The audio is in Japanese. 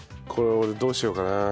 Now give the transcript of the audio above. これ俺どうしようかな。